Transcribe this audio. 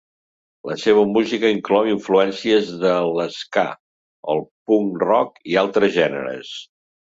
La seva música inclou influències de l'ska, el punk rock i altres gèneres.